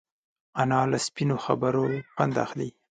انا له سپینو خبرو خوند اخلي